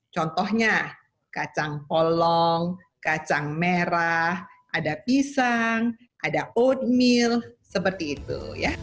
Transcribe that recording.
contohnya kacang polong kacang merah ada pisang ada oatmeal seperti itu